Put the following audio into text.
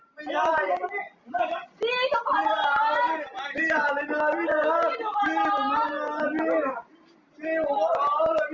บางคนถือไม้บางคนถือเหมือนปืนในมือนะครับ